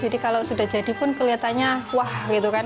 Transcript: jadi kalau sudah jadi pun kelihatannya wah gitu kan